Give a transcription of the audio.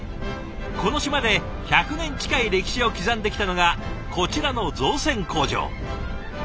この島で１００年近い歴史を刻んできたのがこちらの造船工場。